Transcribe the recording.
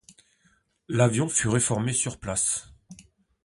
L'avion fut réformé sur place.